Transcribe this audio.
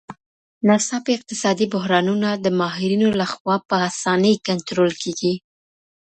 ناڅاپي اقتصادي بحرانونه د ماهرينو لخوا په اسانۍ کنټرول کيږي.